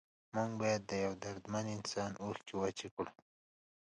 موږ باید د یو دردمند انسان اوښکې وچې کړو.